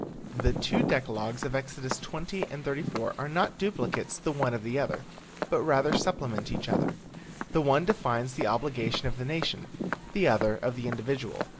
The two decalogues of Exodus 20 and 34 are not duplicates the one of the other, but rather supplement each other. The one defines the obligation of the nation, the other of the individual.